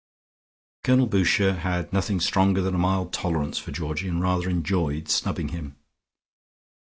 Colonel Boucher had nothing stronger than a mild tolerance for Georgie and rather enjoyed snubbing him.